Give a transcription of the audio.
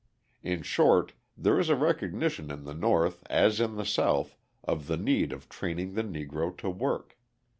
In short, there is a recognition in the North as in the South of the need of training the Negro to work.